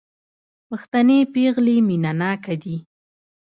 پښتنې پېغلې مينه ناکه دي